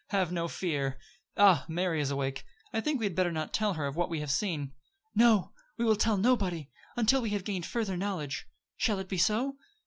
"Have no fear. Ah, Mary is awake. I think we had better not tell her of what we have seen." "No, we will tell nobody, until we have gained further knowledge. Shall it be so?"